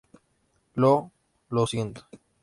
Lo... Lo siento.